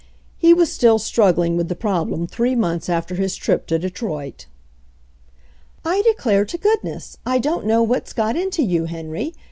He was still struggling with the problem three months after his trip to Detroit "I declare to goodness, I don't know what's got into you, Henry.